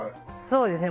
そうですね。